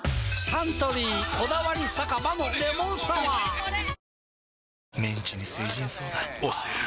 サントリー「こだわり酒場のレモンサワー」推せる！！